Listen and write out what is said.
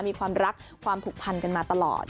มีความรักความผูกพันกันมาตลอด